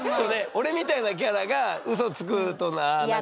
俺みたいなキャラがウソつくとあ何か。